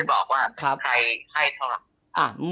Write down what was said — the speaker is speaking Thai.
ไม่ได้บอกว่าใครให้ทั้งหมด